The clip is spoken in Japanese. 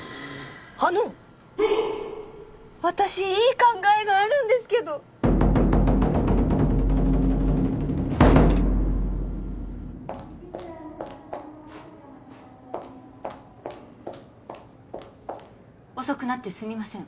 あの私いい考えがあるんですけど遅くなってすみません